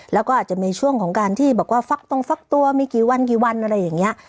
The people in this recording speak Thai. แล้วก็อาจจะมีช่วงของการที่บอกว่าฟักตรงฟักตัวมีกี่วันกี่วันอะไรอย่างนี้